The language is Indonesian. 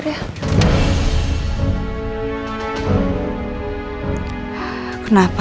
kamu tidak akan menangkap al